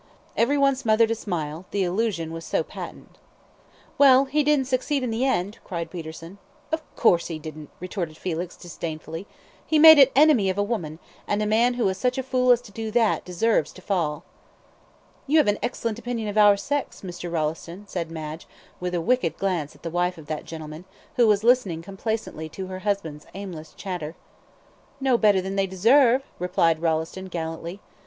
Every one smothered a smile, the allusion was so patent. "Well, he didn't succeed in the end," cried Peterson. "Of course he didn't," retorted Felix, disdainfully; "he made an enemy of a woman, and a man who is such a fool as to do that deserves to fall." "You have an excellent opinion of our sex, Mr. Rolleston," said Madge, with a wicked glance at the wife of that gentleman, who was listening complacently to her husband's aimless chatter. "No better than they deserve," replied Rolleston, gallantly.